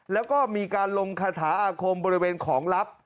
แล้วก็มีการลงคาถาอาคมบริเวณของลับ